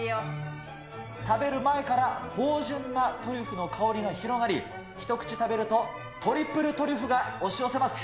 食べる前から、芳じゅんなトリュフの香りが広がり、一口食べると、トリプルトリュフが押し寄せます。